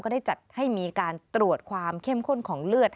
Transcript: ได้จัดให้มีการตรวจความเข้มข้นของเลือด